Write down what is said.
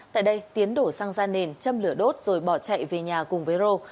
tại đây tiến đổ xăng ra nền châm lửa đốt rồi bỏ chạy về nhà cùng với rô